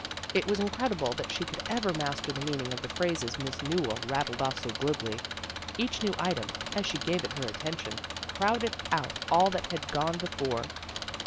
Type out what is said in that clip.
It was incredible that she could ever master the meaning of the phrases Miss Newell rattled off so glibly. Each new item, as she gave it her attention, crowded out all that had gone before.